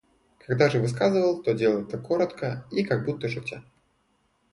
Когда же высказывал, то делал это коротко и как будто шутя.